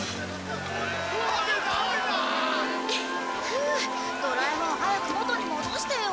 ふうドラえもん早く元に戻してよ。